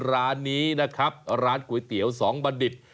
ร้านนี้นะครับร้านก๋วยเตี๋ยวสองบัณฑิต